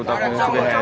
tôi về nhà lấy